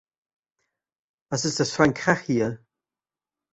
Was ist das für ein Krach hier.